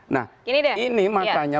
nah ini makanya